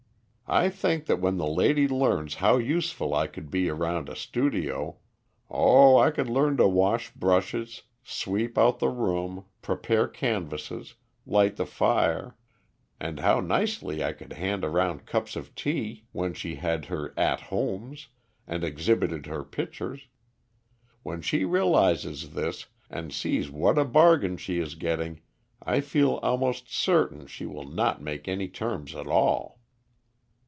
I think that when the lady learns how useful I could be around a studio oh, I could learn to wash brushes, sweep out the room, prepare canvases, light the fire; and how nicely I could hand around cups of tea when she had her 'At Homes,' and exhibited her pictures! When she realises this, and sees what a bargain she is getting, I feel almost certain she will not make any terms at all."